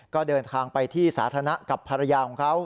ก็เดินทางไปที่สาธารณะกับภรรยาของเขา